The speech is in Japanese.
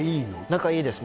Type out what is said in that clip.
仲いいです